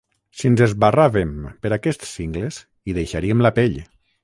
Si ens esbarràvem per aquests cingles, hi deixaríem la pell.